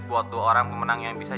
buat dua orang pemenang yang bisa